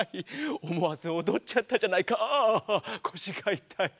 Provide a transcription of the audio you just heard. おもわずおどっちゃったじゃないかああこしがいたい。